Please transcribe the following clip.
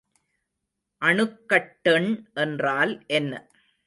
அணுக்கட்டெண் என்றால் என்ன?